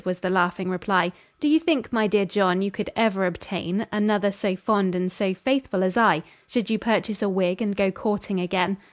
was the laughing reply; "Do you think, my dear John, you could ever obtain Another so fond and so faithful as I, Should you purchase a wig, and go courting again?"